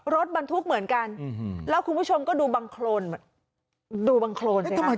รถบรรทุกเหมือนกันแล้วคุณผู้ชมก็ดูบังโครนดูบางโครนสิครับ